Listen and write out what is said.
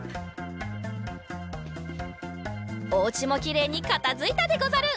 おうちもきれいにかたづいたでござる。